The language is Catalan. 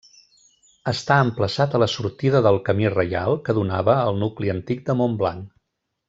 Està emplaçat a la sortida del Camí Reial que donava al nucli antic de Montblanc.